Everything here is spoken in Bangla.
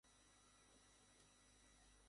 সব পাখি উড়ে যাবে।